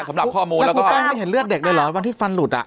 สำหรับข้อมูลแล้วก็แป้งไม่เห็นเลือดเด็กเลยเหรอวันที่ฟันหลุดอ่ะ